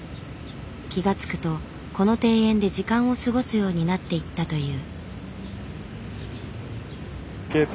気が付くとこの庭園で時間を過ごすようになっていったという。